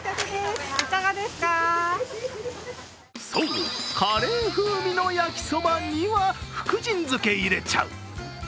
そう、カレー風味の焼きそばには福神漬け、入れちゃう。